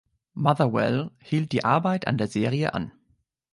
Motherwell hielt die Arbeit an der Serie an.